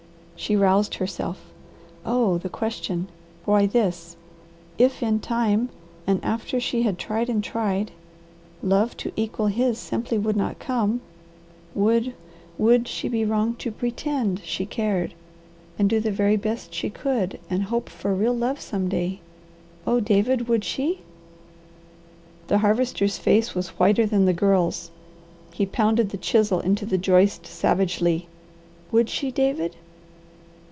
She roused herself. "Oh, the question! Why this if in time, and after she had tried and tried, love to equal his simply would not come would would she be wrong to PRETEND she cared, and do the very best she could, and hope for real love some day? Oh David, would she?" The Harvester's face was whiter than the Girl's. He pounded the chisel into the joist savagely. "Would she, David?"